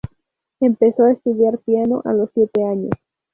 Empezó a estudiar piano a los siete años.